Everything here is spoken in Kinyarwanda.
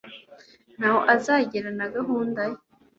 ntaho azagera na gahunda ye